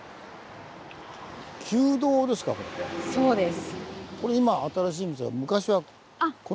そうです。